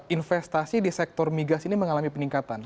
investasi di sektor migas ini mengalami peningkatan